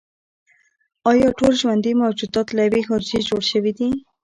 ایا ټول ژوندي موجودات له یوې حجرې جوړ دي